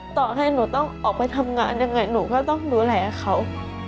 ต่อให้หนูต้องออกไปทำงานยังไงหนูก็ต้องดูแลเขา